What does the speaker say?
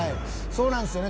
そうなんですよね。